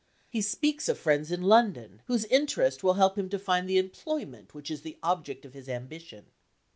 He speaks of friends in London, whose interest will help him to find the employment which is the object of his ambition.